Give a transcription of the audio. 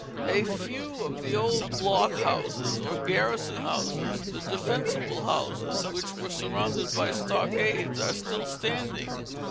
A few of the old block houses, or garrison houses, the "defensible houses," which were surrounded by these stockades, are still standing.